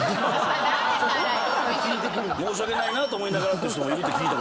⁉申し訳ないなと思いながらって人もいるって。